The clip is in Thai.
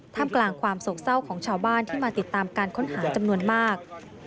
กลางกลางความโศกเศร้าของชาวบ้านที่มาติดตามการค้นหาจำนวนมาก